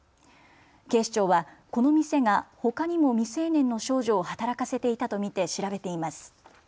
警視庁はこの店がほかにも未成年の少女を働かせていたと見て調べています。